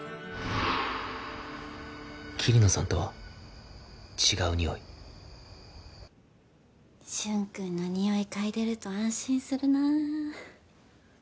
桐野さんとは違うにおい舜くんのにおい嗅いでると安心するな。